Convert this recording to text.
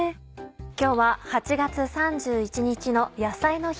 今日は８月３１日の野菜の日。